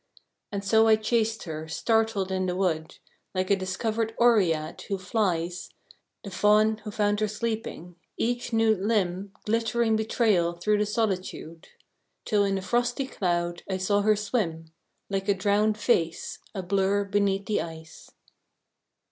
And so I chased her, startled in the wood, Like a discovered Oread, who flies The Faun who found her sleeping, each nude limb Glittering betrayal through the solitude; Till in a frosty cloud I saw her swim, Like a drowned face, a blur beneath the ice.